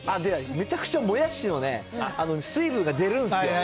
めちゃくちゃもやしのね、水分が出るんですよ。